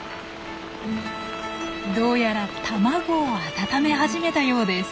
どうやら卵を温め始めたようです。